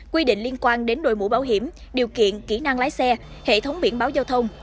quy định liên quan đến đội mũ bảo hiểm điều kiện kỹ năng lái xe hệ thống biển báo giao thông